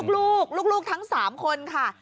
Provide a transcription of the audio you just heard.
ลูกทั้งสามคนค่ะ